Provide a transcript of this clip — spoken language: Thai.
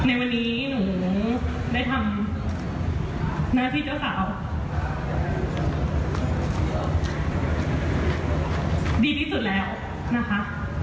ในวันนี้หนูได้ทำหน้าที่เจ้าสาวดีที่สุดแล้วนะคะ